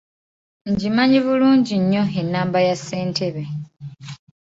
Ngimanyi bulungi nnyo ennamba ya ssentebe.